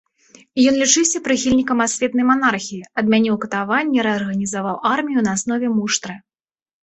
Ён лічыўся прыхільнікам асветнай манархіі, адмяніў катаванні, рэарганізаваў армію на аснове муштры.